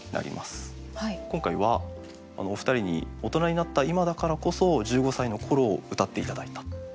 今回はお二人に大人になった今だからこそ１５歳の頃をうたって頂いた。